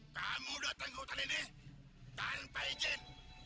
kamu datang ke hutan ini tanpa izin